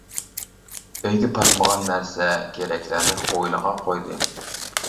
ئۆيگە پاتمىغان نەرسە كېرەكلەرنى ھويلىغا قويدى.